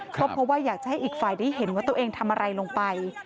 ก็เพราะว่าอยากจะให้อีกฝ่ายได้เห็นว่าตัวเองทำอะไรลงไป